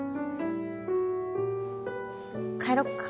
帰ろっか。